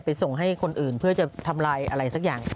ส่งให้คนอื่นเพื่อจะทำลายอะไรสักอย่าง